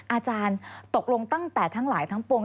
อาจารย์ตกลงตั้งแต่ทั้งหลายทั้งปวง